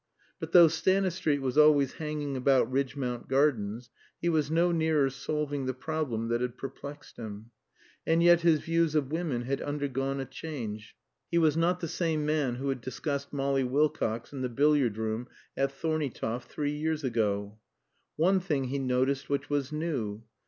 But though Stanistreet was always hanging about Ridgmount Gardens, he was no nearer solving the problem that had perplexed him. And yet his views of women had undergone a change; he was not the same man who had discussed Molly Wilcox in the billiard room at Thorneytoft three years ago. One thing he noticed which was new.